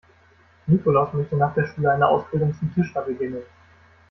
Nikolaus möchte nach der Schule eine Ausbildung zum Tischler beginnen.